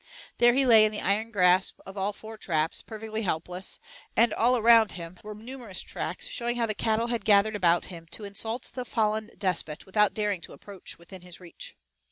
There he lay in the iron grasp of all four traps, perfectly helpless, and all around him were numerous tracks showing how the cattle had gathered about him to insult the fallen despot, without daring to approach within his reach.